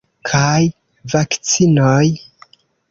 Kaj vakcinoj!